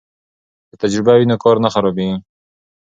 که تجربه وي نو کار نه خرابېږي.